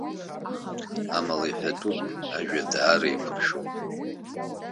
Амала иҳәатәуп, ажәа даара еиқәыршәоуп.